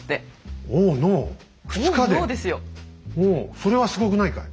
それはすごくないかい。